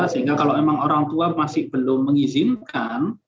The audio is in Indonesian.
sehingga kalau memang orang tua masih belum mengizinkan